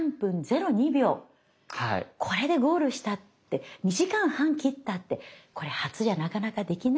これでゴールしたって２時間半切ったってこれ初じゃなかなかできないよ。